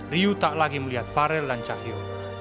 riu tak lagi melihat farel dan cahyo